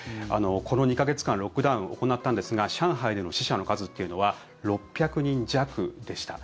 この２か月間ロックダウンを行ったんですが上海での死者の数というのは６００人弱でした。